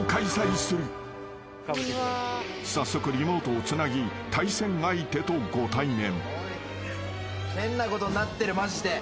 ［早速リモートをつなぎ対戦相手とご対面］